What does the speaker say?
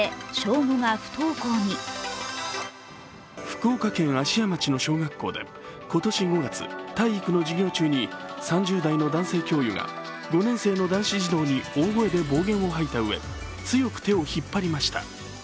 福岡県芦屋町の小学校で今年５月、体育の授業中に、３０代の男性教諭が５年生の男子児童に大声で暴言を吐いたうえ強く手を引っ張りました。